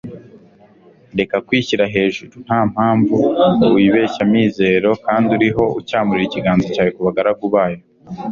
reka kwishyira ejuru nta mpamvu ngo wibeshye amizero kandi uriho ucyamurira ikiganza cyawe ku bagaragu bayo